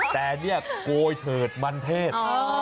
แต่เนี่ยโกยเถิดมันเทศ